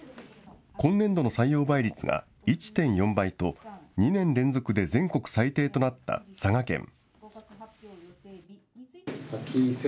今年度の採用倍率が１．４倍と、２年連続で全国最低となった佐賀県。